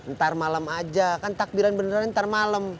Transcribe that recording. ntar malem aja kan takbiran beneran ntar malem